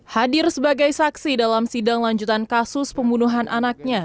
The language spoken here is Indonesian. hadir sebagai saksi dalam sidang lanjutan kasus pembunuhan anaknya